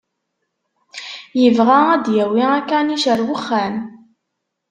Yebɣa ad d-yawi akanic ar wexxam.